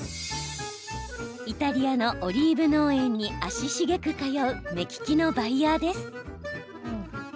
イタリアのオリーブ農園に足しげく通う目利きのバイヤーです。